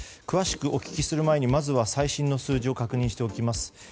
詳しくお聞きする前に最新の数字を確認しておきます。